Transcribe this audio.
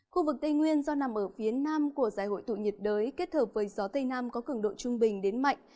khu vực tây nguyên do nằm ở phía nam của giải hội tụ nhiệt đới kết hợp với gió tây nam có cường độ trung bình đến mạnh